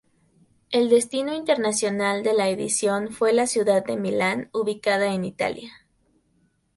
El destino internacional de la edición fue la ciudad de Milán ubicada en Italia.